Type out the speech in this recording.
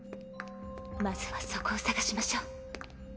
まずはそこを捜しましょう。